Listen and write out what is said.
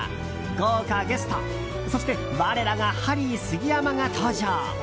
豪華ゲストそして我らがハリー杉山が登場。